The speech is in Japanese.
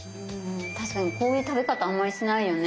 確かにこういう食べ方あんまりしないよね。